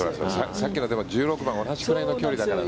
さっきの１６番同じぐらいの距離だからね。